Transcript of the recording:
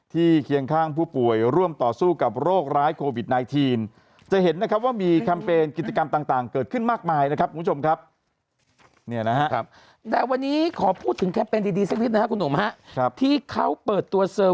ที่เคียงข้างผู้ป่วยร่วมต่อสู้กับโรคร้ายโควิด